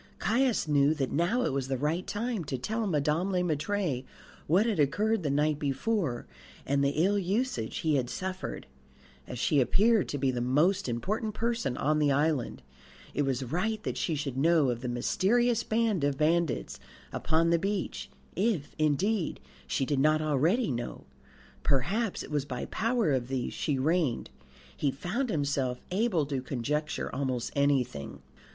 Caius knew that now it was the right time to tell Madame Le Maître what had occurred the night before, and the ill usage he had suffered. As she appeared to be the most important person on the island, it was right that she should know of the mysterious band of bandits upon the beach if, indeed, she did not already know; perhaps it was by power of these she reigned. He found himself able to conjecture almost anything.